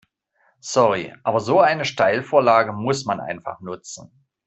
Sorry, aber so eine Steilvorlage muss man einfach nutzen.